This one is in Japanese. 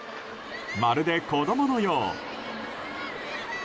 まるで子供のよう。